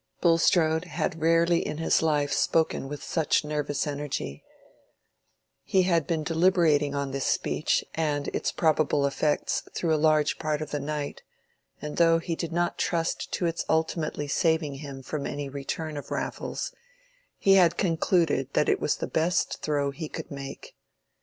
Bulstrode had rarely in his life spoken with such nervous energy: he had been deliberating on this speech and its probable effects through a large part of the night; and though he did not trust to its ultimately saving him from any return of Raffles, he had concluded that it was the best throw he could make.